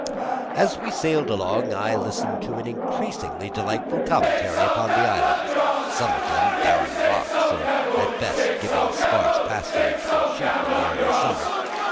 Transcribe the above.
As we sailed along I listened to an increasingly delightful commentary upon the islands, some of them barren rocks, or at best giving sparse pasturage for sheep in the early summer.